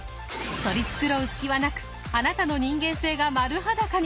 取り繕う隙はなくあなたの人間性が丸裸に！